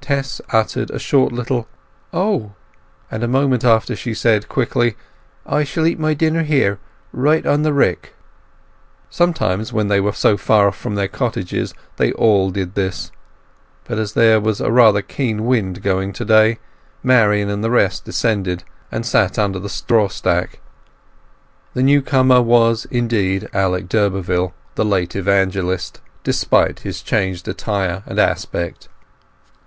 Tess uttered a short little "Oh!" And a moment after she said, quickly, "I shall eat my dinner here—right on the rick." Sometimes, when they were so far from their cottages, they all did this; but as there was rather a keen wind going to day, Marian and the rest descended, and sat under the straw stack. The newcomer was, indeed, Alec d'Urberville, the late Evangelist, despite his changed attire and aspect.